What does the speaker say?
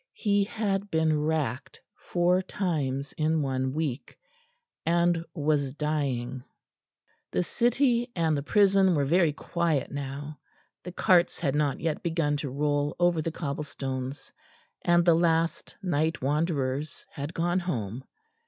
He had been racked four times in one week, and was dying. The city and the prison were very quiet now; the carts had not yet begun to roll over the cobble stones and the last night wanderers had gone home.